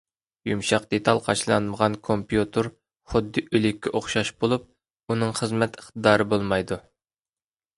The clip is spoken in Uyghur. يۇمشاق دېتال قاچىلانمىغان كومپيۇتېر خۇددى ئۆلۈككە ئوخشاش بولۇپ، ئۇنىڭ خىزمەت ئىقتىدارى بولمايدۇ.